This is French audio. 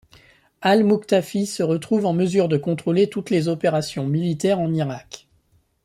Al-Muqtafî se retrouve en mesure de contrôler toutes les opérations militaires en Irak.